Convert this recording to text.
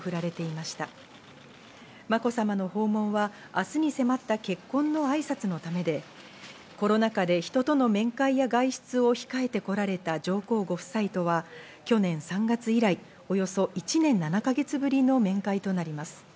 まこさまの訪問は明日に迫った結婚のあいさつのためで、コロナ禍で人との面会や外出を控えてこられた上皇ご夫妻とは去年３月以来、およそ１年７か月ぶりの面会となります。